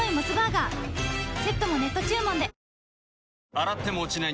洗っても落ちない